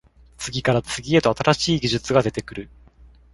次から次へと新しい技術が出てくる